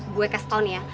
gue kasih tau nih ya